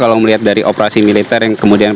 kalau melihat dari operasi militer yang kemudian